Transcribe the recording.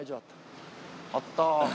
あった。